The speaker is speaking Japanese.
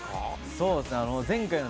そうですね。